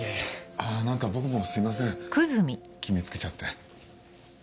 あ何か僕もすいません決め付けちゃって。